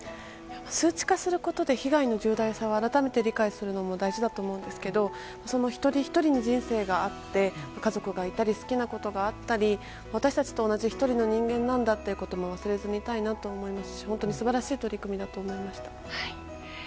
数値化することで被害の重大さを改めて理解するのも大事だと思うんですけどその一人ひとりに人生があって家族がいたり好きなことがあったり私たちと同じ１人の人間なんだということも忘れずにいたいなと思いますし本当に素晴らしい取り組みだと思いました。